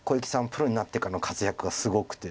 プロになってからの活躍がすごくて。